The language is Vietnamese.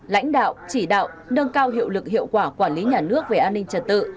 lãnh đạo chỉ đạo nâng cao hiệu lực hiệu quả quản lý nhà nước về an ninh trật tự